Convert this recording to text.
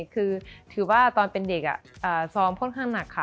คือถือว่าตอนเป็นเด็กซ้อมค่อนข้างหนักค่ะ